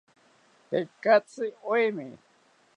Tekatzi oemi